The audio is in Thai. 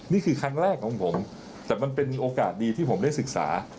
นี่คือครั้งแรกของผมแต่มันเป็นโอกาสดีที่ผมได้ศึกษา